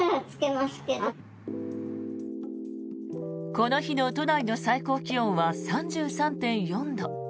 この日の都内の最高気温は３３．４度。